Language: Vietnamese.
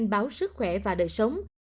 báo sức khỏe và đời sống